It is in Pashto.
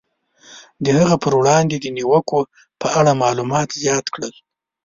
د هغه پر وړاندې د نیوکو په اړه معلومات زیات کړل.